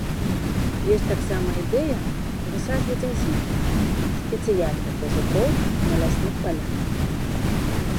Ёсць таксама ідэя высаджваць азімыя спецыяльна для зуброў на лясных палянах.